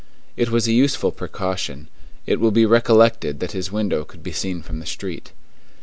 It was a useful precaution; it will be recollected that his window could be seen from the street.